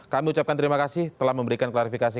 kami ucapkan terima kasih telah memberikan klarifikasi